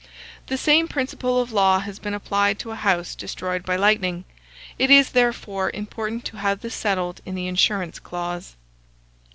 The same principle of law has been applied to a house destroyed by lightning. It is, therefore, important to have this settled in the insurance clause.